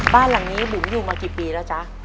บ้านหลังนี้บุ๋มอยู่มากี่ปีแล้วจ๊ะ